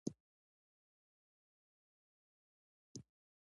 افغانستان د خپلو چار مغز لپاره یو ډېر ښه کوربه دی.